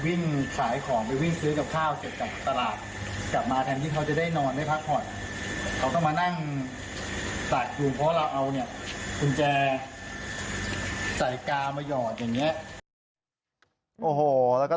คุณแม่นะครับคือนางสามารถที่จะเรียกช่างมาตัดแม่กุญแจได้นะครับคุณเอกกับพบก็เลยพาแม่ลูกคู่นี้เข้าบ้านตัวเองนะครับคุณ